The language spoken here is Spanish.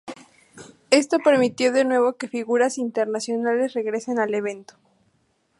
Esto permitió de nuevo que figuras internacionales regresen al evento.